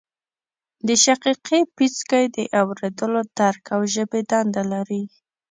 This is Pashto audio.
د شقیقې پیڅکی د اوریدلو درک او ژبې دنده لري